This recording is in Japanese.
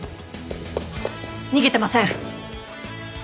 逃げてません。